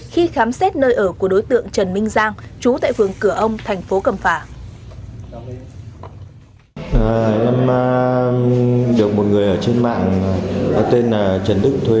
khi khám xét nơi ở của đối tượng trần minh giang chú tại phường cửa ông thành phố cẩm phả